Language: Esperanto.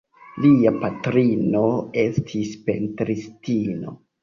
Lia patrino estis pentristino.